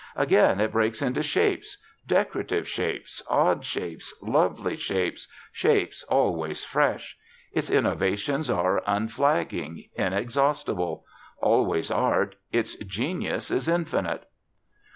Again, it breaks into shapes decorative shapes, odd shapes, lovely shapes, shapes always fresh. Its innovations are unflagging, inexhaustable. Always art, its genius is infinite.